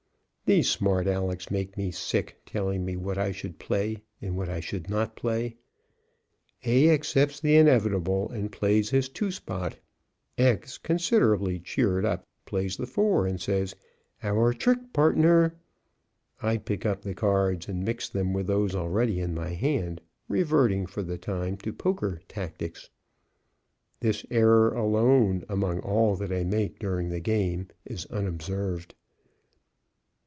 These smart Alecs make me sick, telling me what I should play and what I should not play. A accepts the inevitable and plays his 2 spot. X, considerably cheered up, plays the 4 and says: "Our trick, partner." I pick up the cards and mix them with those already in my hand, reverting, for the time, to poker tactics. This error, alone among all that I make during the game, is unobserved.